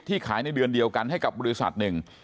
ขายในเดือนเดียวกันให้กับบริษัทหนึ่ง